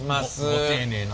ご丁寧な。